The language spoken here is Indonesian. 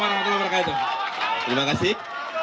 warahmatullah wabarakatuh terima kasih